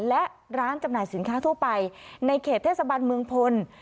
และร้านจำหน่ายสินค้าทั่วไปในเขตเทศบันเมืองพล